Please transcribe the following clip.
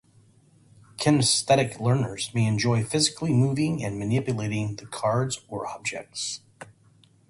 Kinesthetic learners may enjoy physically moving and manipulating the cards or objects.